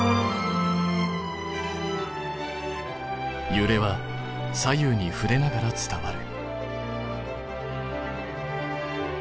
ゆれは左右にふれながら伝わる。